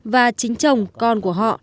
và chính chồng con của họ